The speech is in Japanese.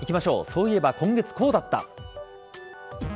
そういえば今月こうだった。